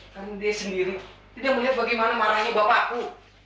tapi dia sendiri tidak melihat bagaimana marahnya bapakku